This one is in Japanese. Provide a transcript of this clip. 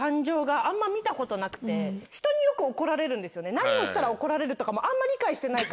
何をしたら怒られるとかもあんま理解してないから。